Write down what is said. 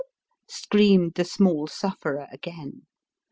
" screamed the small sufferer again.